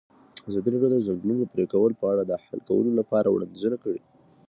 ازادي راډیو د د ځنګلونو پرېکول په اړه د حل کولو لپاره وړاندیزونه کړي.